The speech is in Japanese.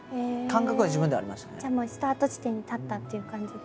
じゃあスタート地点に立ったっていう感じで？